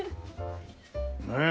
ねえ。